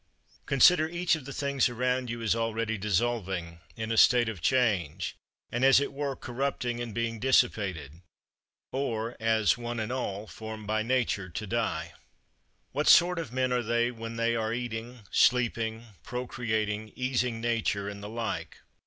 18. Consider each of the things around you as already dissolving, in a state of change, and as it were corrupting and being dissipated, or as, one and all, formed by Nature to die. 19. What sort of men are they when they are eating, sleeping, procreating, easing nature, and the like?